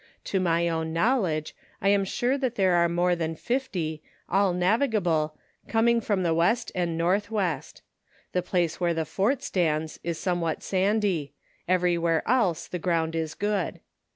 To my own knowledge, I am sure that there are more than fifty, all navigable, coming from the west and northwest; the place where the fort stands is somewhat sandy ; everywhere else the ground is good.